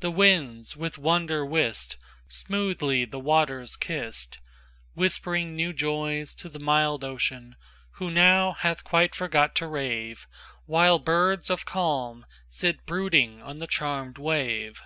The winds, with wonder whist, Smoothly the waters kissed, Whispering new joys to the mild Ocean, Who now hath quite forgot to rave, While birds of calm sit brooding on the charmed wave.